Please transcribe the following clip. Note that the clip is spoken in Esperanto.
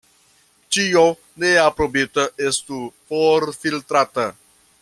Ĉio neaprobita estu forfiltrata.